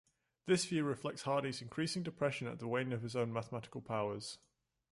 This view reflects Hardy's increasing depression at the wane of his own mathematical powers.